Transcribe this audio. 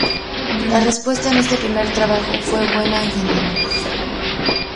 La respuesta a este primer trabajo fue buena en general.